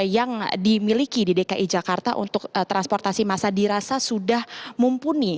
yang dimiliki di dki jakarta untuk transportasi masa dirasa sudah mumpuni